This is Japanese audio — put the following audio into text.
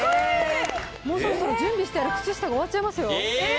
もうそろそろ準備してある靴下が終わっちゃいますよええー！